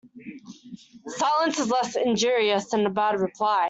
Silence is less injurious than a bad reply.